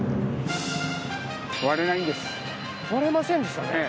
割れませんでしたね。